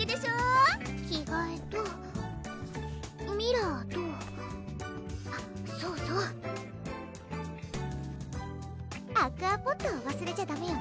着がえとミラーとあっそうそうアクアポットをわすれちゃダメよね